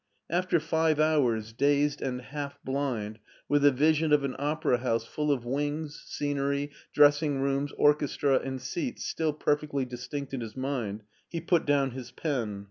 After five hours, dazed and half blind, with the vision of an opera house full of wings, scenery, dress ing rooms, orchestra, and seats still perfectly distinct in his mind, he put down his pen.